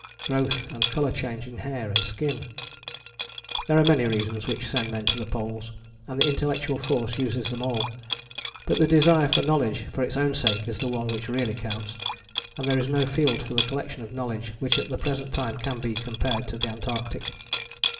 Growth and colour change in hair and skin? There are many reasons which send men to the Poles, and the Intellectual Force uses them all. But the desire for knowledge for its own sake is the one which really counts and there is no field for the collection of knowledge which at the present time can be compared to the Antarctic.